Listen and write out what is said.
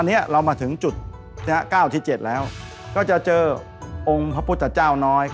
อันนี้เรามาถึงจุด๙ที่๗แล้วก็จะเจอองค์พระพุทธเจ้าน้อย